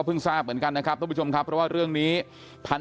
ทราบเหมือนกันนะครับทุกผู้ชมครับเพราะว่าเรื่องนี้พัน